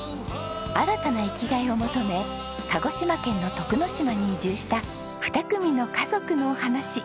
新たな生きがいを求め鹿児島県の徳之島に移住した２組の家族のお話。